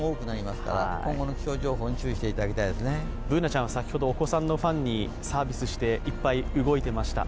Ｂｏｏｎａちゃんは先ほどお子さんのファンにサービスしていっぱい動いていました。